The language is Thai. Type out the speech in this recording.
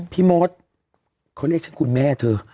พี่มดเขาเรียกฉันคุณแม่เธอ